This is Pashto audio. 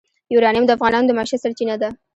یورانیم د افغانانو د معیشت سرچینه ده.